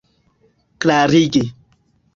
klarigi